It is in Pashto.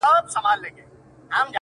o فکر مه کوه، چي دا وړۍ دي شړۍ سي٫